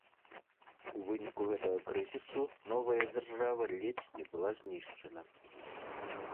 У выніку гэтага крызісу новая дзяржава ледзь не была знішчана.